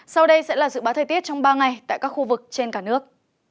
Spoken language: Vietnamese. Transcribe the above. sau đây sẽ là dự báo thời tiết trong ba ngày tại các khu vực trên cả nước